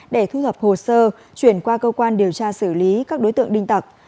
để thu thập hồ sơ chuyển qua cơ quan điều tra xử lý các đối tượng đinh tặc